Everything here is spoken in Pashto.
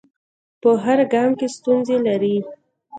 په هر ګام کې ستونزې لري.